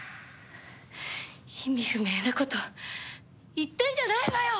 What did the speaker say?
意味不明なこと言ってんじゃないわよ！